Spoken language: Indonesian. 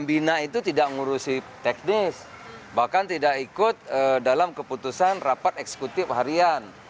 pembina itu tidak ngurusi teknis bahkan tidak ikut dalam keputusan rapat eksekutif harian